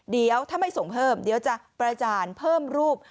เดี๋ยวถ้าไม่ส่งเพิ่มเดี๋ยวจะประจานเพิ่มรูป